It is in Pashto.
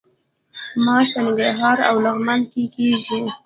ماش په ننګرهار او لغمان کې کیږي.